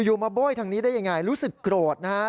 อยู่มาโบ้ยทางนี้ได้ยังไงรู้สึกโกรธนะฮะ